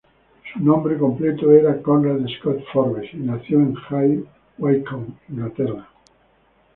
Su nombre completo era Conrad Scott-Forbes, y nació en High Wycombe, Inglaterra.